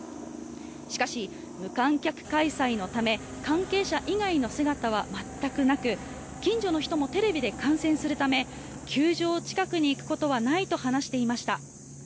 しかし、無観客開催のため関係者以外の姿は全くなく近所の人もテレビで観戦するため球場近くに行くことはないと話していました。